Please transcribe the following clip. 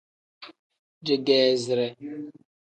Digeezire.